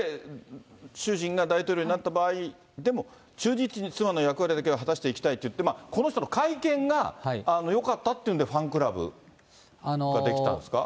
主人が大統領になった場合でも、忠実に妻の役割だけを果たしていきたいっていって、この人の会見がよかったっていうんで、ファンクラブが出来たんですか。